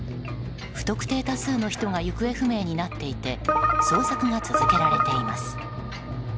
不特定多数の人が行方不明になっていて捜索が続けられています。